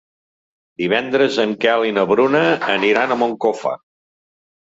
Divendres en Quel i na Bruna aniran a Moncofa.